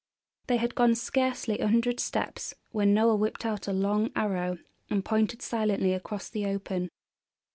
They had gone scarcely a hundred steps when Noel whipped out a long arrow and pointed silently across the open.